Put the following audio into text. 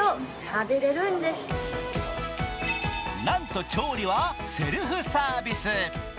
なんと調理はセルフサービス。